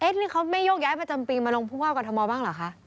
นี่เขาไม่โยกย้ายประจำปีมาลงผู้ว่ากรทมบ้างเหรอคะ